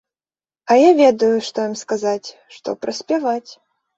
А я ведаю, што ім сказаць, што праспяваць.